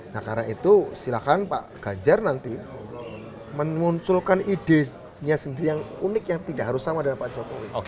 nah karena itu silakan pak ganjar nanti memunculkan idenya sendiri yang unik yang tidak harus sama dengan pak jokowi